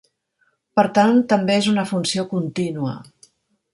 Per tant, també és una funció contínua.